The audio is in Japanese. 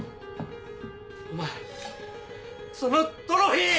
お前そのトロフィー！